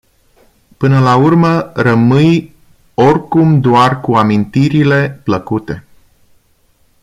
Până la urmă rămâi oricum doar cu amintirile plăcute.